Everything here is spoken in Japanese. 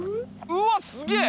うわっすげえ！